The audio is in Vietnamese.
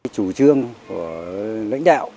chủ trương của lãnh đạo